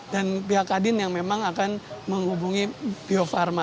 dan pihak kadin yang memang akan menghubungi bio farma